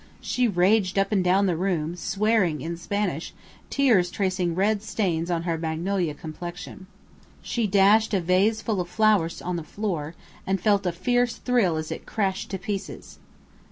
She raged up and down the room, swearing in Spanish, tears tracing red stains on her magnolia complexion. She dashed a vase full of flowers on the floor, and felt a fierce thrill as it crashed to pieces.